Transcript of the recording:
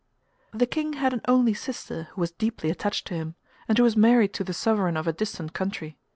The King had an only sister who was deeply attached to him, and who was married to the sovereign of a distant country.